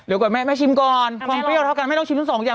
เดี๋ยวก่อนแม่แม่ชิมก่อนความเปรี้ยวเท่ากันแม่ต้องชิมทั้งสองอย่าง